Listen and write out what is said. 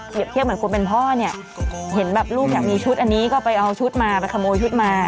พ่อเนี้ยเห็นแบบลูกอยากมีชุดอันนี้ก็ไปเอาชุดมาไปขโมยชุดมา